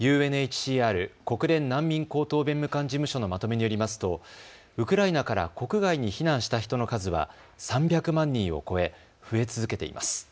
ＵＮＨＣＲ・国連難民高等弁務官事務所のまとめによりますとウクライナから国外に避難した人の数は３００万人を超え増え続けています。